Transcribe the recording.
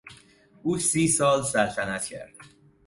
او سی سال سلطنت کرد.